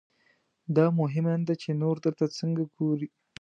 دا مهمه نه ده چې نور درته څنګه ګوري.